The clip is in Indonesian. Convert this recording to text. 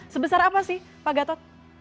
sebesar apa sih pak gatot